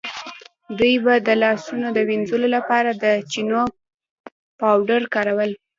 دوی به د لاسونو د وینځلو لپاره د چنو پاوډر کارول.